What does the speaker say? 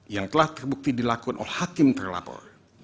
yang telah terbukti dilakukan oleh hakim terlapor